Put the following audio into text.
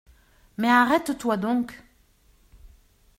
Mais arrête-toi donc !…